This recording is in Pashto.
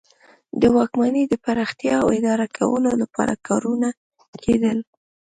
د واکمنۍ د پراختیا او اداره کولو لپاره کارونه کیدل.